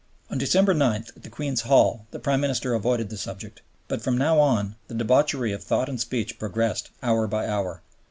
On December 9, at the Queen's Hall, the Prime Minister avoided the subject. But from now on, the debauchery of thought and speech progressed hour by hour.